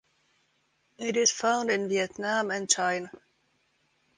It is found in Vietnam and China.